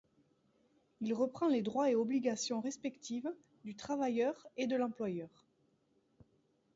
Il reprend les droit et obligations respectives du travailleur et de l'employeur.